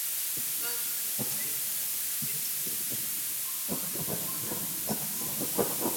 Hifadhi ya Taifa ya Serengeti ilianzishwa mnamo mwaka wa elfu moja Mia Tisa hamsini